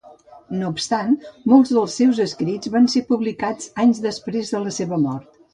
No obstant molts dels seus escrits van ser publicats anys després de la seva mort.